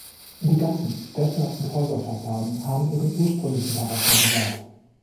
Die Gassen, Dächer und Häuserfassaden haben ihren ursprünglichen Charakter bewahrt.